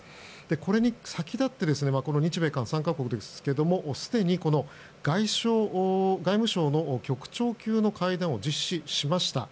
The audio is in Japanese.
これに先立って日米韓３か国ですがすでに外務省の局長級の会談を実施しました。